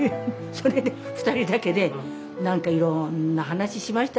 それで２人だけで何かいろんな話しました。